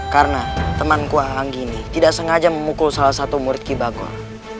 karena temanku anggi ini tidak sengaja memukul salah satu murid kibagor